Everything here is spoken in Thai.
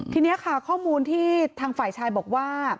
ทีนี้ค่ะข้อมูลที่ทางฝ่ายชายบอกว่า